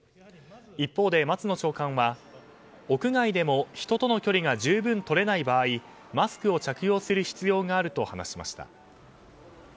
一方で、松野長官は、屋外でも人との距離が十分とれない場合マスクを着用する必要があると話しました。